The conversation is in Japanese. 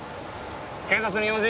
警察に用事？